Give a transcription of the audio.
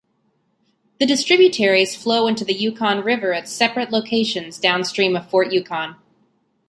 The distributaries flow into the Yukon River at separate locations downstream of Fort Yukon.